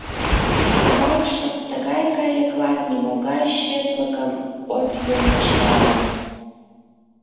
Адакшым тыгай кайыклан нимогай четлыкым от йӧнештаре.